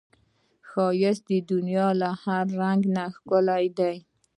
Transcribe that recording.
ښایست د دنیا له هر رنګ نه ښکلی دی